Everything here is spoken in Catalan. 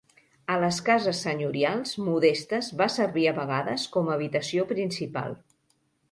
A les cases senyorials modestes va servir a vegades com habitació principal.